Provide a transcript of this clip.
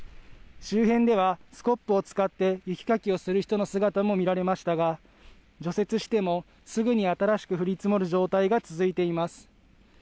周辺ではスコップを使って雪かきをする人の姿も見られましたが除雪してもすぐに新しく降り積もる状態が続いています。